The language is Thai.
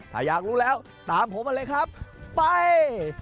ถ้าอยากรู้แล้วตามผมมาเลยครับไป